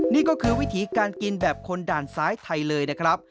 นี่ก็คือวิถีการกินแบบคนด่านซ้ายไทยเลยนะครับ